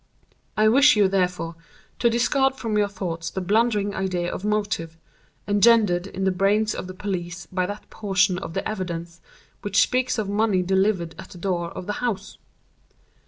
I wish you, therefore, to discard from your thoughts the blundering idea of motive, engendered in the brains of the police by that portion of the evidence which speaks of money delivered at the door of the house.